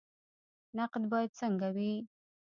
نقد باید څنګه وي؟